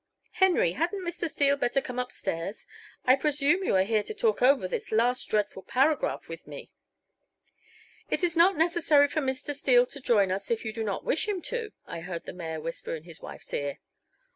Henry, hadn't Mr. Steele better come up stairs? I presume you are here to talk over this last dreadful paragraph with me." "It is not necessary for Mr. Steele to join us if you do not wish him to," I heard the mayor whisper in his wife's ear.